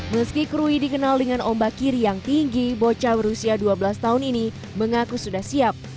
meski krui dikenal dengan ombak kiri yang tinggi bocah berusia dua belas tahun ini mengaku sudah siap